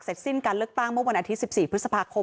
สิ้นการเลือกตั้งเมื่อวันอาทิตย๑๔พฤษภาคม